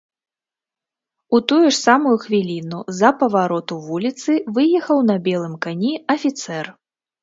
У тую ж самую хвіліну з-за павароту вуліцы выехаў на белым кані афіцэр.